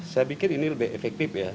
saya pikir ini lebih efektif ya